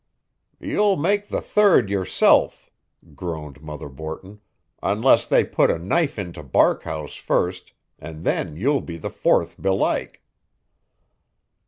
"You'll make the third yourself," groaned Mother Borton, "unless they put a knife into Barkhouse, first, and then you'll be the fourth belike."